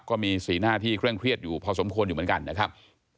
ก็มีสีหน้าที่เคร่งเครียดอยู่พอสมควรอยู่เหมือนกันนะครับ